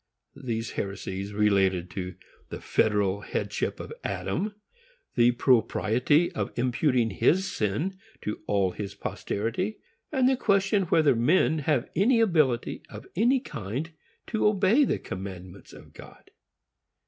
These heresies related to the federal headship of Adam, the propriety of imputing his sin to all his posterity, and the question whether men have any ability of any kind to obey the commandments of God.